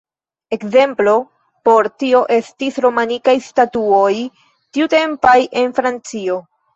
Ekzemplo por tio estis romanikaj statuoj tiutempaj en Francio.